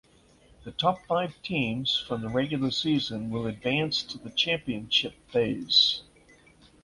The top five teams from the regular season will advance to the championship phase.